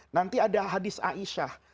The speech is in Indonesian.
nanti ada hadis aisyah